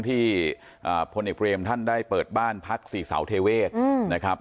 ที่พลเอกเบรมท่านได้เปิดบ้านพัคสี่สาวเทเวทละครับ